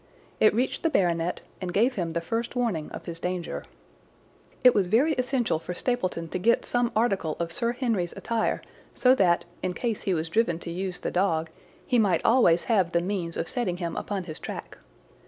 It reached the baronet, and gave him the first warning of his danger. "It was very essential for Stapleton to get some article of Sir Henry's attire so that, in case he was driven to use the dog, he might always have the means of setting him upon his track.